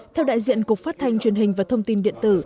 theo đại diện cục phát thanh truyền hình và thông tin điện tử